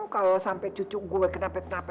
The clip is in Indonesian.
kalau sampai cucu gue kenapa kenapa